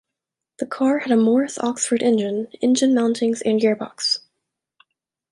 The car had a Morris Oxford engine, engine mountings, and gearbox.